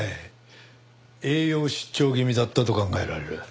栄養失調気味だったと考えられる。